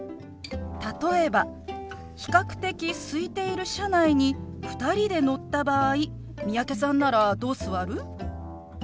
例えば比較的すいている車内に２人で乗った場合三宅さんならどう座る？